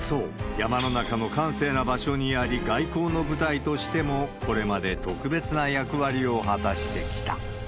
山の中の閑静な場所にあり、外交の舞台としても、これまで特別な役割を果たしてきた。